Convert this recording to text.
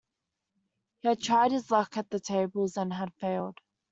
He had tried his luck at the tables and had failed.